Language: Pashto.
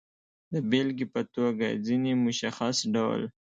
د بېلګې په توګه، ځینې مشخص ډول